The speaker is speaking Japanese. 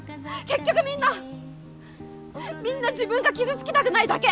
結局みんなみんな自分が傷つきたくないだけ。